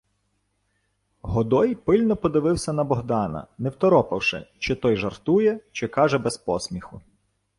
Годой пильно подивився на Богдана, не второпавши, чи той жартує, чи каже без посміху.